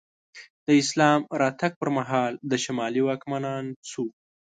د اسلام راتګ پر مهال د شمالي واکمنان څوک وو؟